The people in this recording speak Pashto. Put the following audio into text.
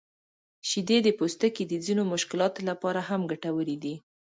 شیدې د پوستکي د ځینو مشکلاتو لپاره هم ګټورې دي.